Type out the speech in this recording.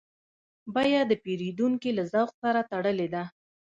بیه د پیرودونکي له ذوق سره تړلې ده.